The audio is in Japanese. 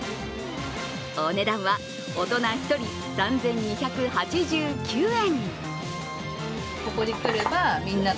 お値段は大人１人３２８９円。